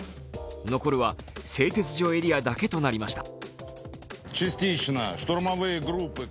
残るは製鉄所エリアだけとなりました。